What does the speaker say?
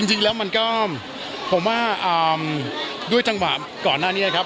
จริงแล้วมันก็ผมว่าด้วยจังหวะก่อนหน้านี้ครับ